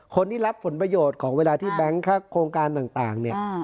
คนที่รับผลประโยชน์ของเวลาที่แบงค์โครงการต่างเนี่ย